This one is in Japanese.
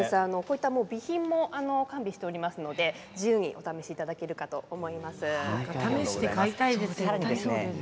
備品も完備していますので自由にお試しいただけるかと試して買いたいですね。